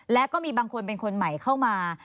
และก็มีบางคนเป็นคนใหม่เข้ามา